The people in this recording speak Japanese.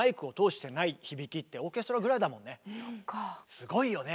すごいよね。